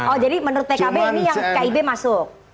oh jadi menurut pkb ini yang kib masuk